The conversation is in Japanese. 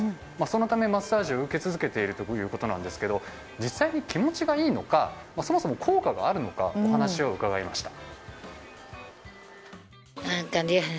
そのため、マッサージを受け続けているということですが実際に気持ちいいのかそもそも効果があるのかお話を伺いました。